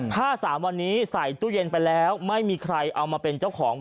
ถ้า๓วันนี้ใส่ตู้เย็นไปแล้วไม่มีใครเอามาเป็นเจ้าของ